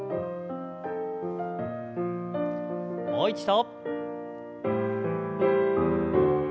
もう一度。